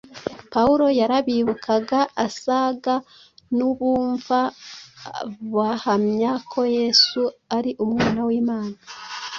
Pawulo yarabibukaga asaga n’ubumva bahamya ko Yesu ari Umwana w’Imana